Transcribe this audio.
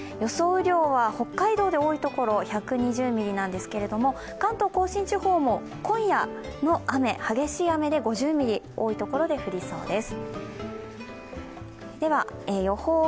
雨量は北海道で多いところ１２０ミリなんですけれども、関東甲信地方も今夜の雨激しい雨で５０ミリ、多い所で降りそうです。